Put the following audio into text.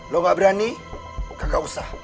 lo gak berani kagak usah